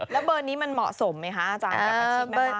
แล้วเบอร์นี้มันเหมาะสมไหมคะอาจารย์